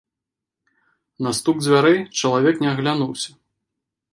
На стук дзвярэй чалавек не аглянуўся.